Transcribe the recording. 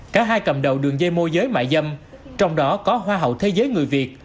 cả hai cầm đầu đường dây mô giới mại dâm trong đó có hoa hậu thế giới người việt